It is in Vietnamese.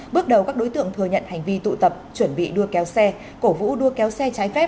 bước đầu các đối tượng thừa nhận hành vi tụ tập chuẩn bị đua kéo xe cổ vũ đua kéo xe trái phép